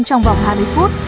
trong vòng hai mươi phút